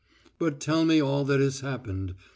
But tell me all that has happened.